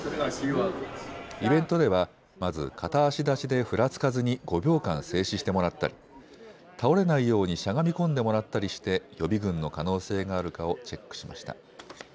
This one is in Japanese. イベントではまず片足立ちでふらつかずに５秒間静止してもらったり倒れないようにしゃがみ込んでもらったりして予備軍の可能性があるかをチェックしました。